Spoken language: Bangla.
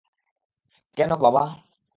কেন, বাবা?